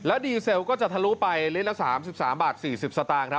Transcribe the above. ดีเซลก็จะทะลุไปลิตรละ๓๓บาท๔๐สตางค์ครับ